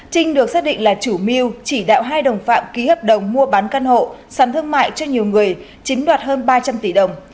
trinh được xác định là chủ mưu chỉ đạo hai đồng phạm ký hợp đồng mua bán căn hộ sản thương mại cho nhiều người chiếm đoạt hơn ba trăm linh tỷ đồng